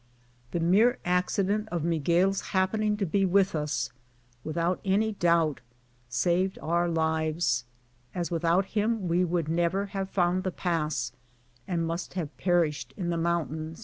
The mere accident of Miguel's happening to be with us, without any doubt, saved our lives, as without him we could never have found the pass, and must have perished in the mountain.